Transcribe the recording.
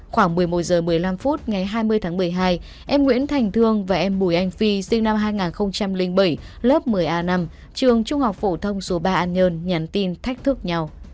khoảng một mươi một h một mươi năm phút ngày hai mươi tháng một mươi hai em nguyễn thành thương và em bùi anh phi sinh năm hai nghìn bảy lớp một mươi a năm trường trung học phổ thông số ba an nhơn nhắn tin thách thức nhau